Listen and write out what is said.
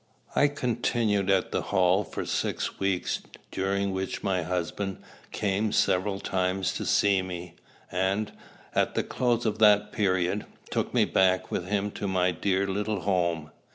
I continued at the Hall for six weeks, during which my husband came several times to see me; and, at the close of that period, took me back with him to my dear little home.